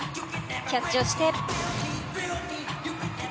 キャッチをして。